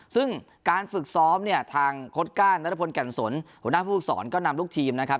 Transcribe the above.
ซึ่งการฝึกซ้อมเนี้ยทางคดการณ์นัตรภนกัลสนหัวหน้าผู้ฝึกศรก็นำลูกทีมนะครับ